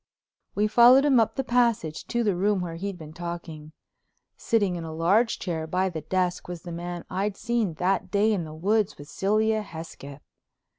We followed him up the passage to the room where he'd been talking. Sitting in a large chair by the desk was the man I'd seen that day in the woods with Sylvia Hesketh.